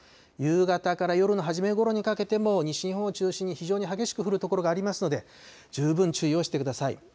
夕方から夜の初めごろにかけても西日本を中心に非常に激しく降る所がありますので十分注意をしてください。